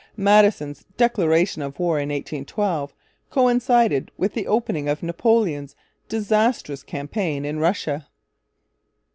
Madison's declaration of war in 1812 coincided with the opening of Napoleon's disastrous campaign in Russia.